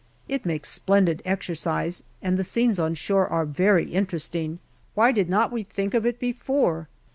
It makes splendid exercise, and the scenes on shore are very interesting. Why did not we think of it before